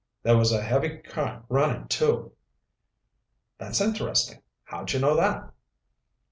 There was a heavy current running, too." "That's interesting. How'd you know that?"